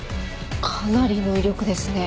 かなりの威力ですね。